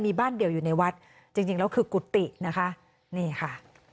มีบ้านเดียวอยู่ในวัดจริงจริงแล้วคือกุฏินะคะนี่ค่ะ